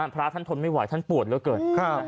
พระท่านทนไม่ไหวท่านปวดเหลือเกิน